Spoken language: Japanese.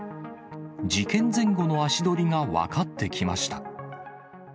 事件前後の足取りが分かってきました。